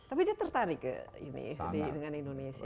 tapi dia tertarik ke ini dengan indonesia